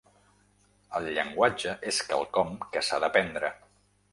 El llenguatge és quelcom que s’ha d’aprendre.